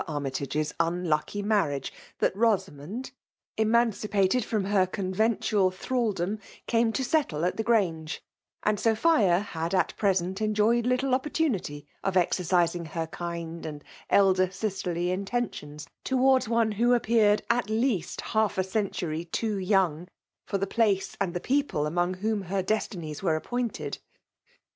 Army tage'fl unlucky matriage that Bosamottd, emancipated from her conventual thfalSom, dame to settle at the Grange ; and Soj^ia had • at present enjoyed little opportunity of exer* cijsing her kind and elder sisterly intentions towards one who appeared at least half a cen« tiiry too young for the place and the people among whom her destinies were appointed.